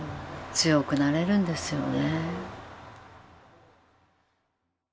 強くなれるんですよね。